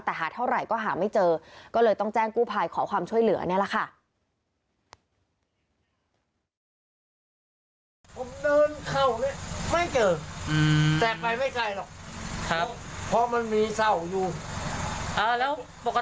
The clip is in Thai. แต่หาเท่าไหร่ก็หาไม่เจอก็เลยต้องแจ้งกู้ภัยขอความช่วยเหลือนี่แหละค่ะ